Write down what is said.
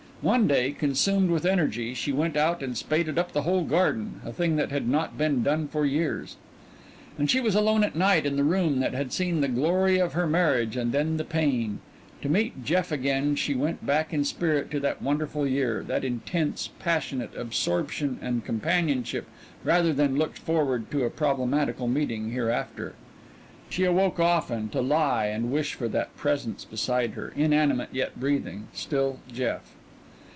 One day, consumed with energy, she went out and spaded up the whole garden, a thing that had not been done for years. And she was alone at night in the room that had seen the glory of her marriage and then the pain. To meet Jeff again she went back in spirit to that wonderful year, that intense, passionate absorption and companionship, rather than looked forward to a problematical meeting hereafter; she awoke often to lie and wish for that presence beside her inanimate yet breathing still Jeff.